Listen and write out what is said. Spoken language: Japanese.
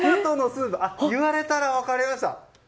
言われたら分かりました。